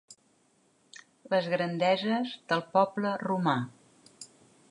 Les grandeses del poble romà.